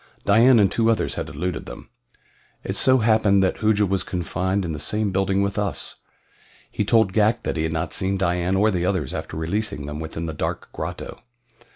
Dian and two others had eluded them. It so happened that Hooja was confined in the same building with us. He told Ghak that he had not seen Dian or the others after releasing them within the dark grotto.